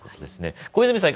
小泉さん